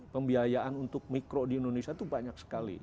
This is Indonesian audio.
pembiayaan untuk mikro di indonesia itu banyak sekali